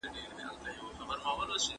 پوهانو دغه پدیدې په دقت لیدلې وې.